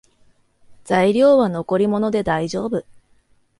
材料は残り物でだいじょうぶ